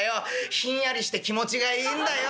ひんやりして気持ちがいいんだよ。